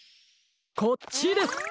こっちです！